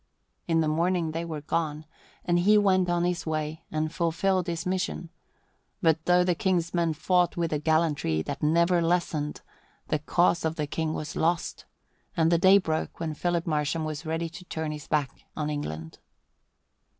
In the morning they were gone, and he went on his way and fulfilled his mission; but though the King's men fought with a gallantry that never lessened, the cause of the King was lost, and the day broke when Philip Marsham was ready to turn his back on England.